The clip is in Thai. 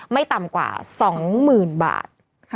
ไม่ต่ำกว่า๒๐๐๐๐บาท